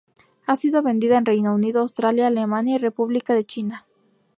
Ha sido vendida en Reino Unido, Australia, Alemania y República de China.